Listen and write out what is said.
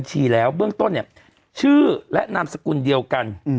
บัญชีแล้วเบื้องต้นเนี้ยชื่อและนามสกุลเดียวกัน